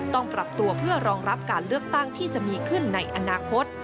ต้องปรับตัวเพื่อรองรับการเลือกตั้งที่จะมีขึ้นในอนาคต